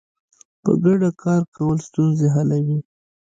په ګډه کار کول ستونزې حلوي.